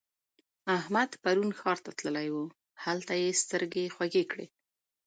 احمد پرون ښار ته تللی وو؛ هلته يې سترګې خوږې کړې.